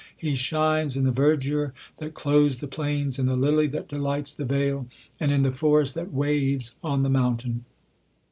He shines in the verdure I that clothes the plains, in the lily that delights the vale, land in the forest that waves on the mountain.